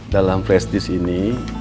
dalam flash disk ini